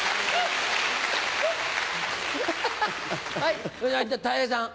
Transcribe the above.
はいじゃあたい平さん。